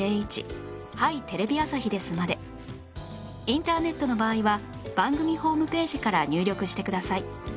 インターネットの場合は番組ホームページから入力してください